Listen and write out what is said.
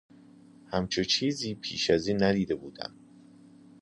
همچو چیزی پبش از این ندیده بودم